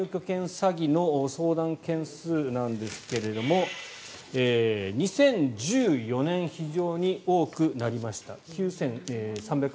詐欺の相談件数なんですけれども２０１４年非常に多くなりました。